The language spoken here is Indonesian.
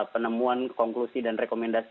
penemuan konklusi dan rekomendasi